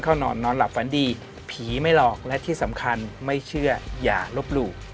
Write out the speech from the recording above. นอนนอนหลับฝันดีผีไม่หลอกและที่สำคัญไม่เชื่ออย่าลบหลู่